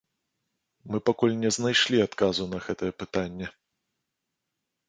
Мы пакуль не знайшлі адказу на гэтае пытанне.